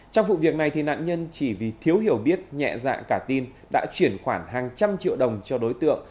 trong vụ việc này nạn nhân chỉ vì thiếu hiểu biết nhẹ dạ cả tin đã chuyển khoản hàng trăm triệu đồng cho đối tượng